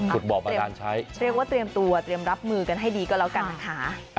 ขุดบ่อบรรดาใช้เรียกว่าเตรียมตัวเตรียมรับมือกันให้ดีก็แล้วกันค่ะ